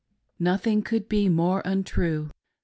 Nothing could be more untrue.